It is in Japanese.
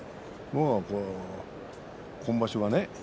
今場所はね